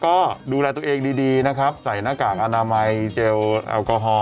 ก็ดูแลตัวเองดีนะครับใส่หน้ากากอนามัยเจลแอลกอฮอล